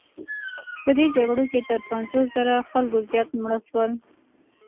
په دې جګړو کې تر پنځوس زره خلکو زیات مړه شول.